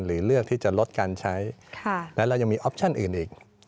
เลือกที่จะลดการใช้และเรายังมีออปชั่นอื่นอีก